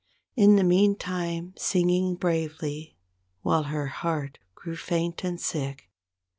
In the meantime singing bravely, while her heart grew faint and sick.